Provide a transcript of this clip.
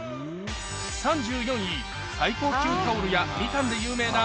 ３４位最高級タオルやみかんで有名な